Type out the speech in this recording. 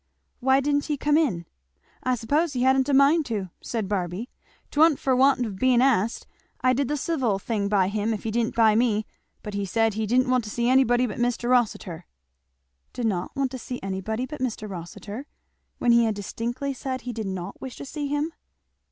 "Why didn't he come in?" "I s'pose he hadn't a mind to," said Barby. "Twa'n't for want of being asked. I did the civil thing by him if he didn't by me; but he said he didn't want to see anybody but Mr. Rossitur." Did not wank to see anybody but Mr. Rossitur, when he had distinctly said he did not wish to see him?